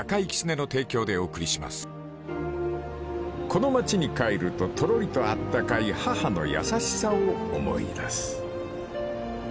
［この町に帰るととろりと温かい母の優しさを思い出す］